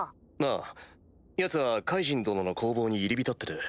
ああヤツはカイジン殿の工房に入り浸ってて。